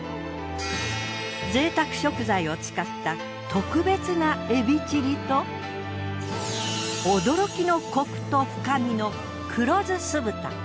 贅沢食材を使った特別なエビチリと驚きのコクと深みの黒醋酢豚。